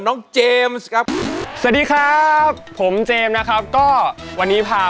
เจมส์ครับสวัสดีครับผมเจมส์นะครับก็วันนี้พา